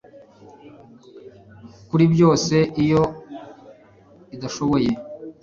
kuri byose iyo idashoboye